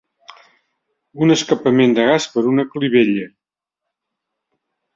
Un escapament de gas per una clivella.